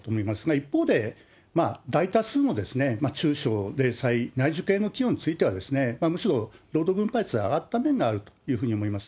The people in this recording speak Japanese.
一方で、大多数の中小、零細、内需系の企業については、むしろ労働分配率が上がった面があるというふうに思います。